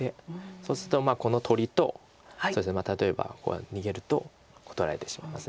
そうするとこの取りと例えばこう逃げるとここ取られてしまいます。